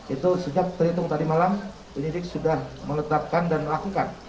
itu sejak terhitung tadi malam penyidik sudah menetapkan dan melakukan